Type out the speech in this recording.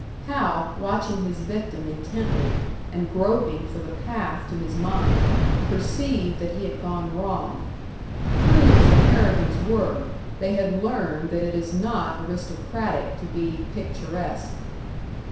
Hal, watching his victim intently, and groping for the path to his mind, perceived that he had gone wrong. Crude as the Harrigans were, they had learned that it is not aristocratic to be picturesque.